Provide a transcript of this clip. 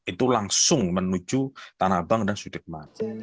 itu langsung menuju tanah abang dan sudirman